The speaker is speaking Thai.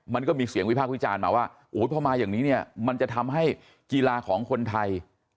มันก็มีเสียงวิพากษ์วิจารณ์มาว่าโอ้โหพอมาอย่างนี้เนี่ยมันจะทำให้กีฬาของคนไทย